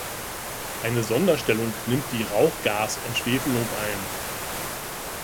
Eine Sonderstellung nimmt die Rauchgasentschwefelung ein.